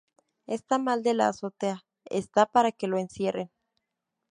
Está mal de la azotea. Está para que lo encierren